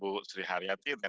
oke terima kasih ibu segda